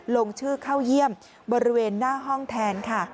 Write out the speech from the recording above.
ลงชื่อเข้าเยี่ยมบริเวณหน้าห้องแทนค่ะ